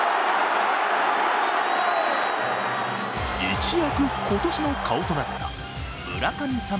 一躍今年の顔となった村上様